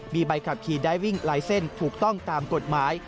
มีใบขับขี่ได้วิ่งลายเส้นถูกต้องตามกฎหมาย